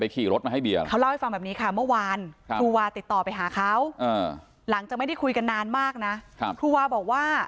ครูวาบอกว่า